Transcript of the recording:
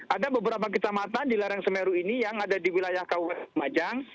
ada beberapa kecamatan di lereng semeru ini yang ada di wilayah kabupaten lumajang